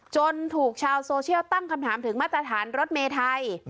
จนถูกชาวโซเชียลตั้งคำถามถึงมาตรฐานรถเมย์ไทย